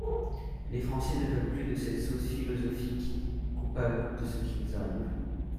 Les Français ne veulent plus de cette sauce philosophique coupable de ce qui nous arrive.